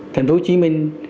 thành phố hồ chí minh